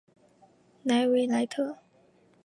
莱维莱特。